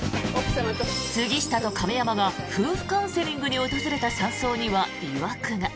杉下と亀山が夫婦カウンセリングに訪れた山荘には、いわくが。